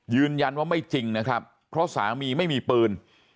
ยืนยันว่าไม่จริงนะครับเพราะสามีไม่มีปืน